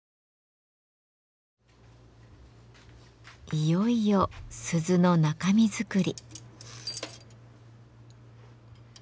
いよいよ鈴の中身作り。